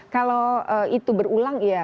kalau itu berulang ya